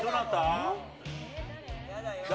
誰？